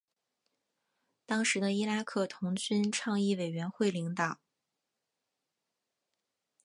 当时的伊拉克童军倡议委员会领导。